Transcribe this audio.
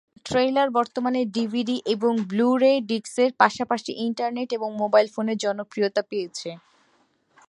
Trailer বর্তমানে DVD এবং blu ray disc এর পাশাপাশি ইন্টারনেট এবং মোবাইল ফোনে জনপ্রিয়তা পেয়েছে।